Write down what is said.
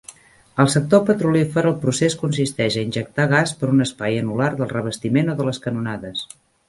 Al sector petrolífer el procés consisteix a injectar gas per un espai anular del revestiment o de les canonades.